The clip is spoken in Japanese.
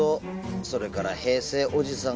それから平成おじさん